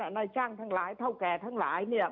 ในจ้างทั้งหลายท่าวแกรทั้งหลาย